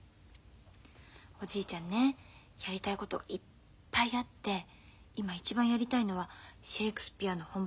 おじいちゃんねやりたいこといっぱいあって今一番やりたいのはシェークスピアの本場で勉強することだって。